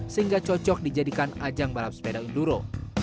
sehingga cocok dijadikan ajang balap sepeda unduro